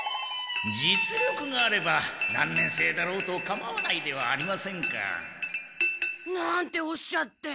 実力があれば何年生だろうとかまわないではありませんか。なんておっしゃって。